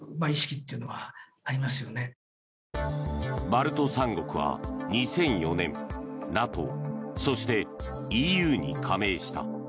バルト三国は２００４年ＮＡＴＯそして、ＥＵに加盟した。